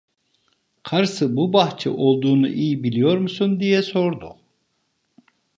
Karısı: "Bu bahçe olduğunu iyi biliyor musun?" diye sordu.